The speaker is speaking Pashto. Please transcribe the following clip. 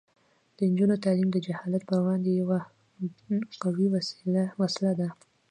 د نجونو تعلیم د جهالت پر وړاندې یوه قوي وسله ده.